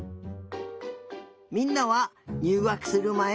みんなはにゅうがくするまえ